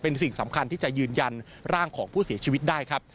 เป็นสิ่งสำคัญที่จะยืนยันร่างของผู้เสียชีวิตได้ครับ